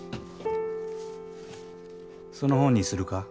その本にするか？